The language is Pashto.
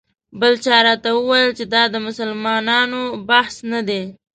بل چا راته وویل چې دا د مسلمانانو بس نه دی.